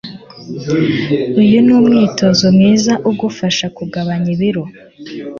Uyu ni imyitozo myiza igufasha kugabanya ibiro.